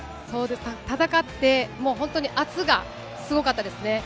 戦って、本当に圧がすごかったですね。